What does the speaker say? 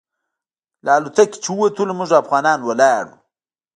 له الوتکې چې ووتلو موږ افغانان ولاړ وو.